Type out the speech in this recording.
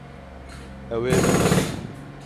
Ew ê bibin.